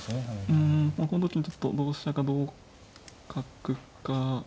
うんこの時にちょっと同飛車か同角か。